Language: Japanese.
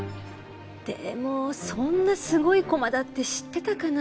でもそんなすごい駒だって知ってたかな？